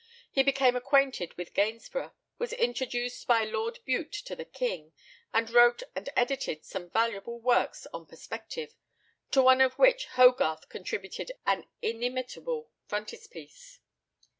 He became acquainted with Gainsborough, was introduced by Lord Bute to the king, and wrote and edited some valuable works on perspective, to one of which Hogarth contributed an inimitable frontispiece.